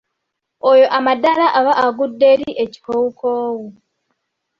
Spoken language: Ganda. Oyo amandaala aba agudde eri ekikoowukoowu.